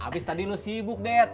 abis tadi lo sibuk dad